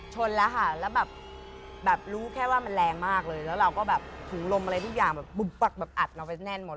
ชนแล้วค่ะแล้วแบบรู้แค่ว่ามันแรงมากเลยแล้วเราก็แบบถุงลมอะไรทุกอย่างแบบบุบักแบบอัดเราไปแน่นหมด